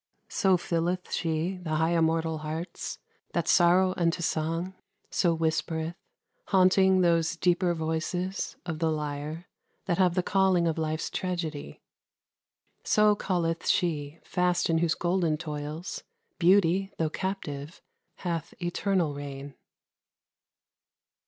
So filleth she the high immortal hearts That sorrow unto song, so whispereth, Haunting those deeper voices of the Lyre That have the calling of Life's tragedy. So calleth she, fast in whose golden toils, Beauty, tho' captive, hath eternal reign.